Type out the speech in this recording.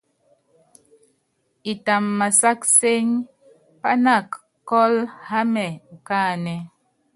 Itamv másák cɛ́ny, pának kɔ́l hámɛ ukáánɛ́.